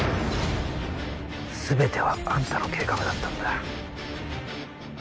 すべてはあんたの計画だったんだ。